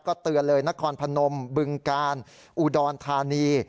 เตือนเลยนครพนมบึงกาลอุดรธานี